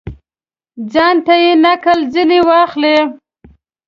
ځانته یې نقل ځني واخلي.